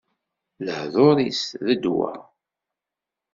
Lehdur-is, d ddwa!